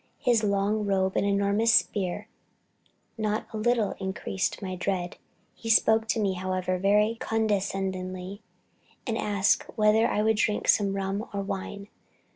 His long robe and enormous spear not a little increased my dread. He spoke to me, however, very condescendingly, and asked whether I would drink some rum or wine.